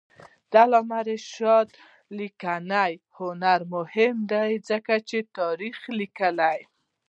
د علامه رشاد لیکنی هنر مهم دی ځکه چې تاریخ لیکي.